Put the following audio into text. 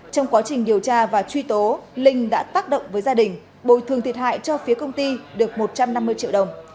trong quá trình điều tra và truy tố linh đã tác động với gia đình bồi thường thiệt hại cho phía công ty được một trăm năm mươi triệu đồng